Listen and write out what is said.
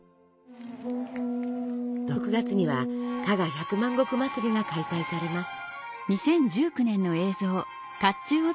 ６月には加賀百万石祭りが開催されます。